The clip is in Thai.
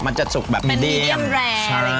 มันจะสุกแบบเด็มเป็นเรียมแรง